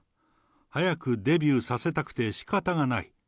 早くデビューさせたくてしかたがない。